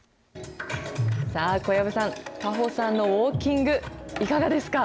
さあ、小籔さん、果歩さんのウォーキング、いかがですか。